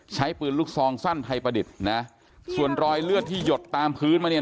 ใช้ปืนลูกซองสั้นไทยประดิษฐ์นะส่วนรอยเลือดที่หยดตามพื้นมาเนี่ย